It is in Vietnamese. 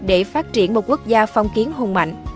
để phát triển một quốc gia phong kiến hùng mạnh